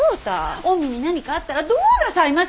御身に何かあったらどうなさいます！